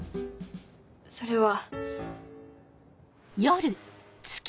それは。